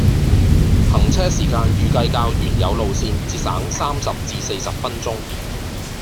行車時間預計較原有路線節省三十至四十分鐘。